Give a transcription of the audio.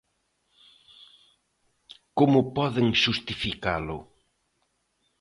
¿Como poden xustificalo?